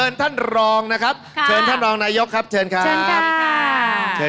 ๑นาที๓๔วินาที